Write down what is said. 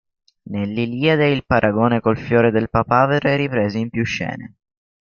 Nell’"Iliade" il paragone col fiore del papavero è ripreso in più scene.